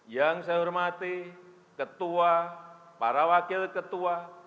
yang saya hormati ketua para wakil ketua